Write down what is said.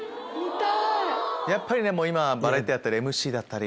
やっぱりねもう今バラエティーやったりＭＣだったり。